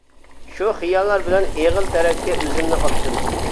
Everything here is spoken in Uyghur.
شۇ خىياللار بىلەن ئېغىل تەرەپكە ئۆزۈمنى ئاتتىم.